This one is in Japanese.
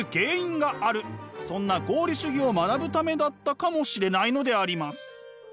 そんな合理主義を学ぶためだったかもしれないのであります。